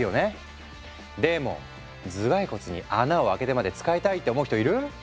でも頭蓋骨に穴を開けてまで使いたいって思う人いる？